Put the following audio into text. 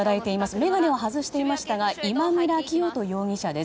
眼鏡を外していましたが今村磨人容疑者です。